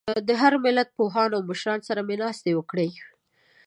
د هر ملت پوهانو او مشرانو سره مې ناستې وکړې.